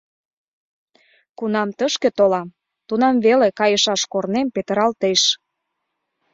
— Кунам тышке толам, тунам веле кайышаш корнем петыралтеш...